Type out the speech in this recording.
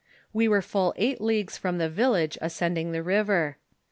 "We were full eight leagues from the village ascending the river.